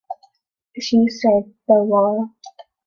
She said, 'The war.